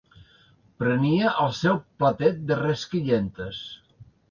Prenia el seu platet de rellisquentes